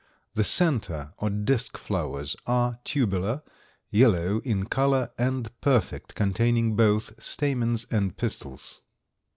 The center or disk flowers are tubular, yellow in color and perfect, containing both stamens and pistils.